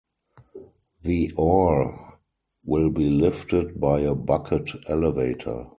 The ore will be lifted by a bucket elevator.